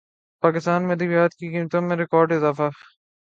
پاکستان میں ادویات کی قیمتوں میں ریکارڈ اضافہ